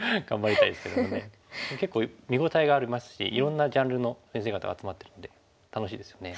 結構見応えがありますしいろんなジャンルの先生方集まってるんで楽しいですよね。